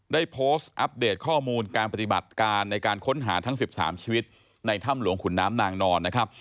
ได้โพสต์อัปเดตข้อมูลการปฏิบัติการในการค้นหาทั้ง๑๓ชีวิตในถ้ำหลวงขุนน้ำนางนอนนะครับ